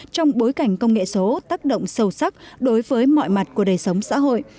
trong bối cảnh công nghệ số tác động sâu sắc đối với mọi mặt của đời sống xã hội